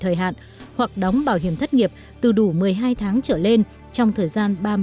thời hạn hoặc đóng bảo hiểm thất nghiệp từ đủ một mươi hai tháng trở lên trong thời gian